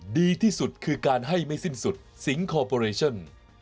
ดีที่สุดคือการให้ไม่สิ้นสุดสิงคอร์ปอเรชั่น